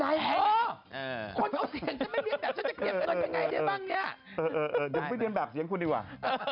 เดี๋ยวไปเรียนแบบเสียงคุณดีกว่า